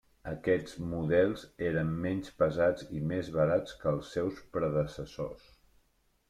Aquests models eren menys pesats i més barats que els seus predecessors.